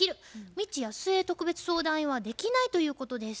未知やすえ特別相談員は「できない」ということです。